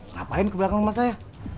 ngapain ke belakang rumah saya